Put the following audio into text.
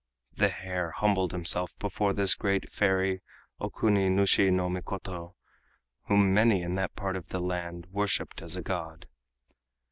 The hare humbled himself before this great fairy Okuni nushi no Mikoto, whom many in that part of the land worshiped as a god.